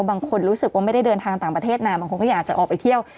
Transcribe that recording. บางคนรู้สึกว่าไม่ได้เดินทางต่างประเทศนะบางคนก็อยากจะออกไปเที่ยว